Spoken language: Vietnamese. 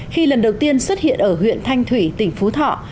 khi lần đầu tiên xuất hiện ở huyện thanh thủy tỉnh phú thọ